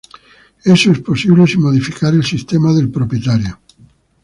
Eso es posible sin modificar el sistema del propietario.